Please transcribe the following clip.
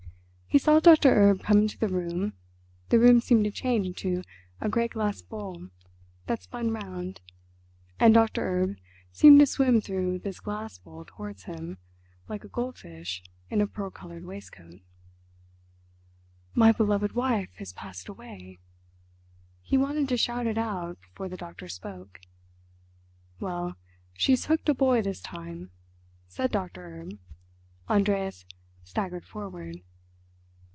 He saw Doctor Erb come into the room; the room seemed to change into a great glass bowl that spun round, and Doctor Erb seemed to swim through this glass bowl towards him, like a goldfish in a pearl coloured waistcoat. "My beloved wife has passed away!" He wanted to shout it out before the doctor spoke. "Well, she's hooked a boy this time!" said Doctor Erb. Andreas staggered forward.